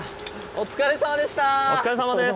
お疲れさまです。